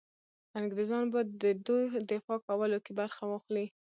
انګرېزان به د دوی دفاع کولو کې برخه واخلي.